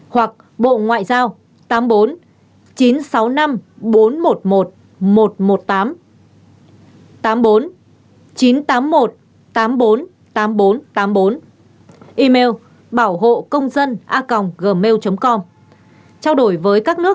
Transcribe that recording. hoặc bộ ngoại giao